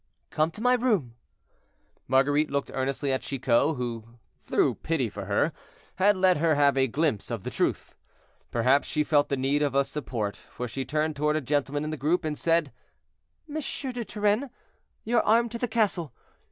"Come to my room." Marguerite looked earnestly at Chicot, who, through pity for her, had let her have a glimpse of the truth. Perhaps she felt the need of a support, for she turned toward a gentleman in the group, and said: "M. de Turenne, your arm to the castle.